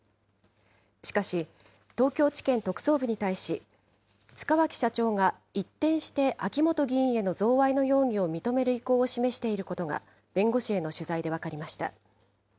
しかし、東京地検特捜部に対し、塚脇社長が一転して、秋本議員への贈賄の容疑を認める意向を示していることが、弁護士への取材で分かりました。